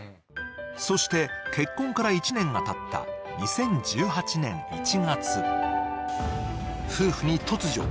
そして結婚から１年がたった２０１８年１月。